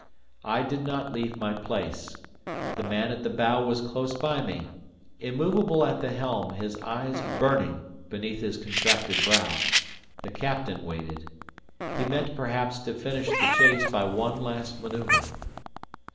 I did not leave my place. The man at the bow was close by me. Immovable at the helm, his eyes burning beneath his contracted brows, the captain waited. He meant, perhaps, to finish the chase by one last maneuver.